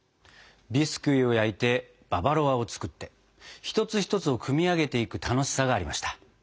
ビスキュイを焼いてババロアを作って一つ一つを組み上げていく楽しさがありました。